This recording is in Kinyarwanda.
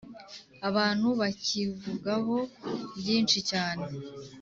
. Abantu bakivugaho byinshicyane